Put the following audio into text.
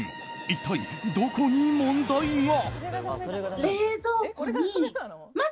一体、どこに問題が。